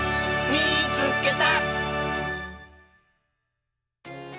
「みいつけた！」。